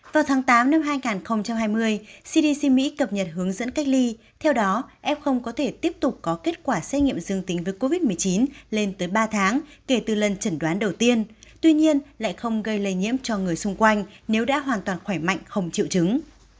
vào tháng tám năm hai nghìn hai mươi cdc mỹ cập nhật hướng dẫn cách ly theo đó f có thể tiếp tục có kết quả xét nghiệm dương tính với covid một mươi chín lên tới ba tháng kể từ lần chẩn đoán đầu tiên tuy nhiên lại không gây lây nhiễm cho người xung quanh nếu đã hoàn toàn khỏe mạnh không triệu chứng